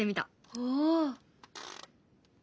おお！